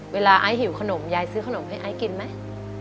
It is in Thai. เวลายายหิวขนมยายซื้อขนมให้ยายกินไหม